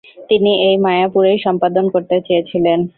তিনি এই মায়াপুরেই সম্পাদন করতে চেয়েছিলেন।